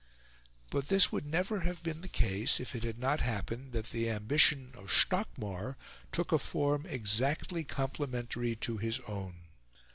But this would never have been the case if it had not happened that the ambition of Stockmar took a form exactly complementary to his own.